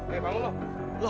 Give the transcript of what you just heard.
hei bangun loh